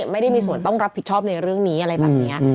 ไม่ได้มีส่วนต้องรับผิดชอบในเรื่องนี้อะไรแบบนี้